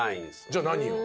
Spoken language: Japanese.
じゃあ何よ？